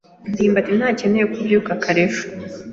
ndimbati ntakeneye kubyuka kare ejo.